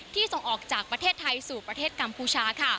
ส่งออกจากประเทศไทยสู่ประเทศกัมพูชา